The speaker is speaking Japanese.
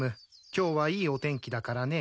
今日はいいお天気だからね。